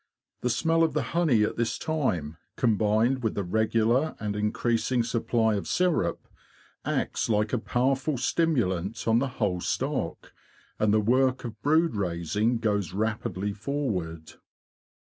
The smell of the honey at this time, combined with the regular and increasing supply of syrup, acts like a powerful! stimulant on the whole stock, and the work of brood raising goes rapidly forward.